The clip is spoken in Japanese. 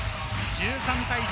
１３対１３。